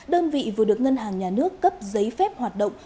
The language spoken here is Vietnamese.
đơn vị vừa được ngân hàng nhà nước cấp giấy phép hoạt động